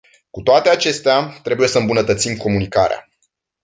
Cu toate acestea, trebuie să îmbunătățim comunicarea.